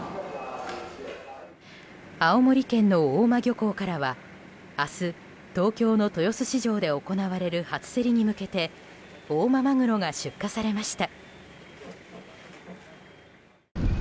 青森県の大間漁港からは明日東京の豊洲市場で行われる初競りに向けて大間マグロが出荷されました。